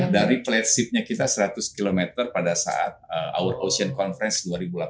dari plate seatnya kita seratus km pada saat our ocean conference dua ribu delapan belas